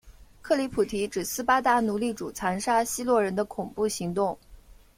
克里普提指斯巴达奴隶主残杀希洛人的恐怖行动。